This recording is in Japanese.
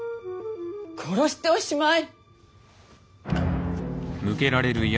殺しておしまい。